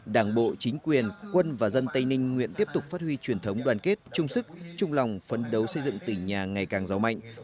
đảng bộ chính quyền quân và dân tây ninh nguyện tiếp tục phát huy truyền thống đoàn kết chung sức chung lòng phấn đấu xây dựng tỉnh nhà ngày càng giàu mạnh